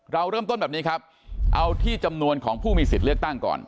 เราเริ่มต้นแบบนี้ครับเอาที่จำนวนของผู้มีสิทธิ์เลือกตั้งก่อน